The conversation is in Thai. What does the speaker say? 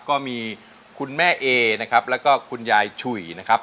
ก็มีคุณแม่เอนะครับแล้วก็คุณยายฉุยนะครับ